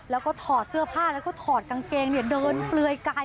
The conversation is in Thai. แล้วก็ถอดเสื้อผ้าแล้วก็ถอดกางเกงเดินเปลือยกาย